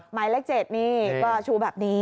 หมายเลข๗นี่ก็ชูแบบนี้